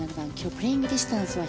プレーイングディスタンスは